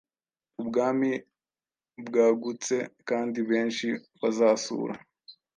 Ubwami bwagutsekandi benshi bazasura